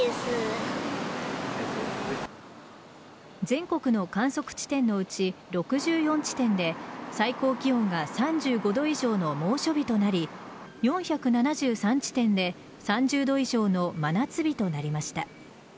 全国の観測地点のうち６４地点で最高気温が３５度以上の猛暑日となり４７３地点で３０度以上の真夏日となりました。